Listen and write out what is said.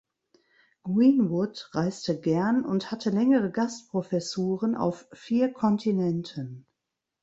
Greenwood reiste gern und hatte längere Gastprofessuren auf vier Kontinenten.